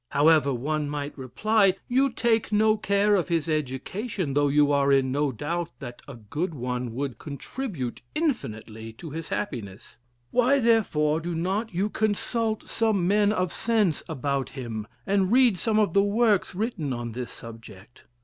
However, one might reply, you take no care of his education, though you are in no doubt that a good one would contribute infinitely to his happiness; why, therefore, do not you consult some men of sense about him, and read some of the works written on this subject?